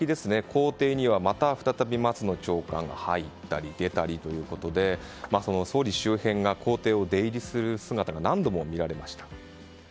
公邸にはまた再び松野長官が入ったり出たりということで総理周辺が公邸を出入りする姿が何度も見られました。